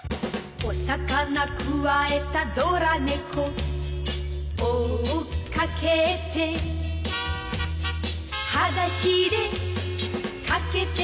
「お魚くわえたドラ猫」「追っかけて」「はだしでかけてく」